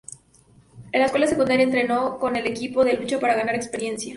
En la escuela secundaria entrenó con el equipo de lucha para ganar experiencia.